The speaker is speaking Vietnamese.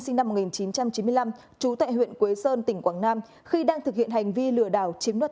sinh năm một nghìn chín trăm chín mươi năm trú tại huyện quế sơn tỉnh quảng nam khi đang thực hiện hành vi lừa đảo chiếm đoạt